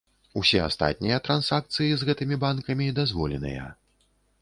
Усе астатнія трансакцыі з гэтымі банкамі дазволеныя.